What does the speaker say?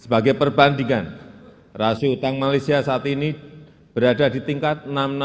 sebagai perbandingan rasio utang malaysia saat ini berada di tingkat